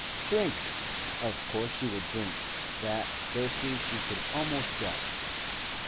Drink! of course she would drink; that thirsty she could almost drop!